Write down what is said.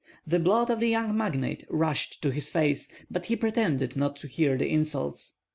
The blood of the young magnate rushed to his face, but he pretended not to hear the insults.